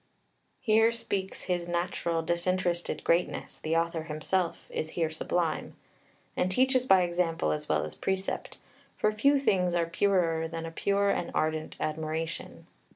Here speaks his natural disinterested greatness the author himself is here sublime, and teaches by example as well as precept, for few things are purer than a pure and ardent admiration.